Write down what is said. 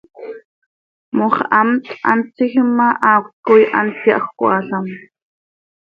Moxhamt hant tsiijim ma, haacöt coi hant yahjcoaalam.